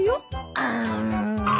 うん。